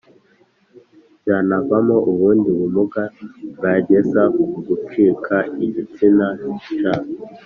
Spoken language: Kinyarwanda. byanavamo ubundi bumuga bwageza ku gucika igitsina c